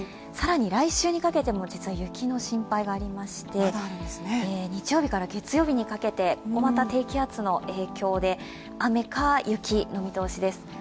更に来週にかけても実は雪の心配がありまして日曜日から月曜日にかけて、ここまた低気圧の影響で雨か雪の見通しです。